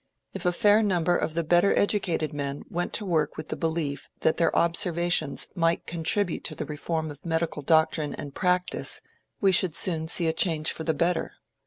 If a fair number of the better educated men went to work with the belief that their observations might contribute to the reform of medical doctrine and practice, we should soon see a change for the better.